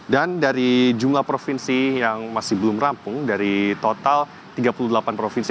dan dari jumlah provinsi yang masih belum rampung dari total tiga puluh delapan provinsi